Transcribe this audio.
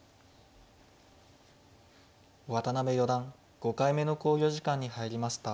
渡辺四段５回目の考慮時間に入りました。